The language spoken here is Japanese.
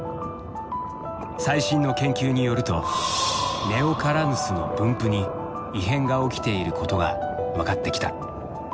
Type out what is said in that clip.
最新の研究によるとネオカラヌスの分布に異変が起きていることが分かってきた。